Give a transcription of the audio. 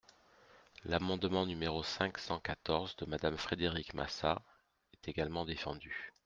L’amendement numéro cinq cent quatorze de Madame Frédérique Massat est également défendu.